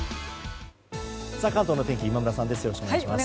関東の天気今村さんです。